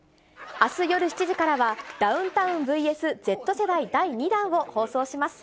あす夜７時からは、ダウンタウンｖｓＺ世代第２弾を放送します。